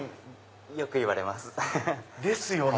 よく言われます。ですよね。